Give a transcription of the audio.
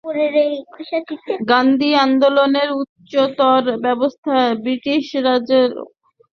গান্ধী, আন্দোলনের উচ্চতম অবস্থায় ব্রিটিশ রাজের অনুগত থাকে।